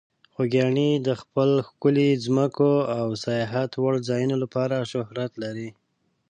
خوږیاڼي د خپلو ښکلو ځمکو او سیاحت وړ ځایونو لپاره شهرت لري.